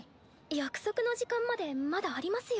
約束の時間までまだありますよ。